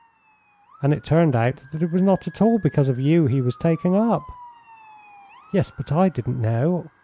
"And it turned out that it was not at all because of you he was taken up?" "Yes, but I didn't know.